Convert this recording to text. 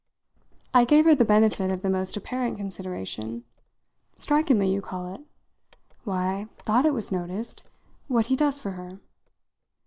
I gave her the benefit of the most apparent consideration. "Strikingly, you call it?" "Why, I thought it was noticed what he does for her."